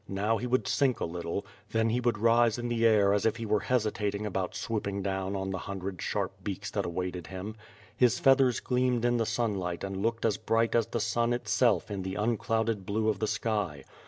Now he would sink a little; then he would rise in the air as if he were hesitating about swooping do\^Ti on the hundred sharp beaks that awaited him. His feathers gleamed in the sunlight and looked as bright as the sun itself in the unclouded blue of the sky.